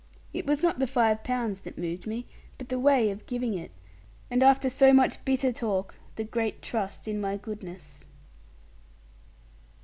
It was not the five pounds that moved me, but the way of giving it; and after so much bitter talk, the great trust in my goodness.